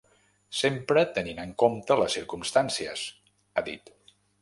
Sempre tenint en compte les circumstàncies, ha dit.